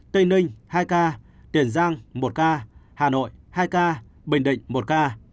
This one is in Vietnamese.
tây ninh hai ca tiền giang một ca hà nội hai ca bình định một ca